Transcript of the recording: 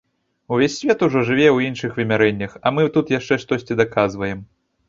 Увесь свет ужо жыве ў іншых вымярэннях, а мы тут яшчэ штосьці даказваем.